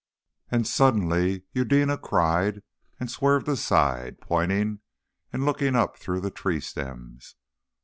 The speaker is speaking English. And suddenly Eudena cried and swerved aside, pointing, and looking up through the tree stems.